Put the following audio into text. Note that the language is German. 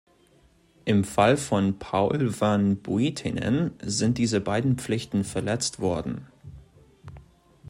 Im Fall von Paul van Buitenen sind diese beiden Pflichten verletzt worden.